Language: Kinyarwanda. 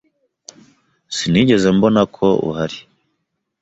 Sinigeze mbona ko uhari.